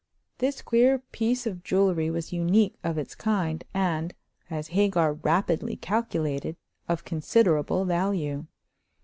This queer piece of jewelry was unique of its kind, and, as Hagar rapidly calculated, of considerable value.